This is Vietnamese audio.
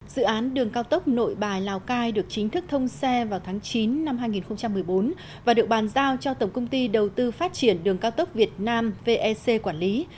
dự án đường cao tốc nội bài lào cai được chính thức thông xe vào tháng chín năm hai nghìn một mươi bốn và được bàn giao cho tổng công ty đầu tư phát triển đường cao tốc việt nam vec quản lý